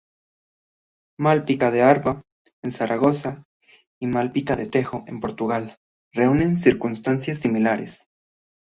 Malpica de Arba, en Zaragoza, y Malpica do Tejo, en Portugal, reúnen circunstancias similares.